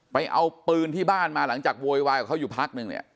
ไปเอาปืนที่บ้านมาหลังจากโวยวายกับเขาอยู่พักนึงเนี่ย